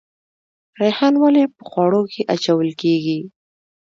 ریحان ولې په خوړو کې اچول کیږي؟